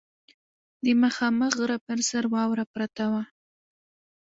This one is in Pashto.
د مخامخ غره پر سر واوره پرته وه.